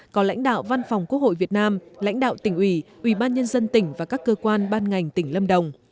có lãnh đạo văn phòng quốc hội việt nam lãnh đạo tỉnh ủy ủy ban nhân dân tỉnh và các cơ quan ban ngành tỉnh lâm đồng